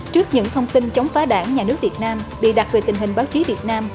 trước những thông tin chống phá đảng nhà nước việt nam bị đặt về tình hình báo chí việt nam